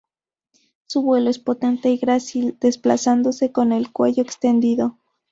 Su vuelo es potente y grácil, desplazándose con el cuello extendido.